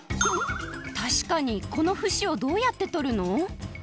たしかにこのふしをどうやってとるの？